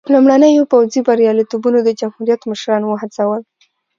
لومړنیو پوځي بریالیتوبونو د جمهوریت مشران وهڅول.